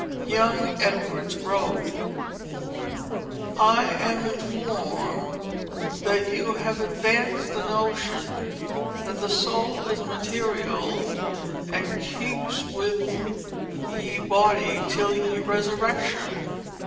Young Edwards wrote: "I am informed y^t you have advanced a notion y^t the soul is material and keeps w^th y^e body till y^e resurrection.